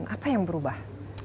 apa yang berubah